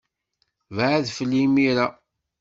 Bɛed fell-i imir-a!